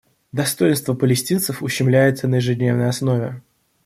Достоинство палестинцев ущемляется на ежедневной основе.